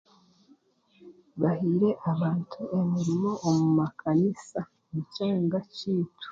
Bahiire abantu emirimo omu makaniisa omu kyanga kyeitu.